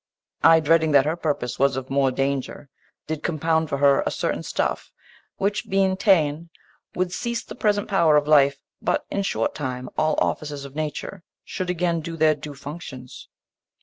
I, dreading that her purpose Was of more danger, did compound for her A certain stuff, which, being ta'en would cease The present pow'r of life, but in short time All offices of nature should again Do their due functions.